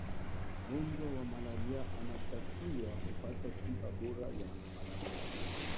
mgonjwa wa malaria anatakiwa kupata tiba bora ya malaria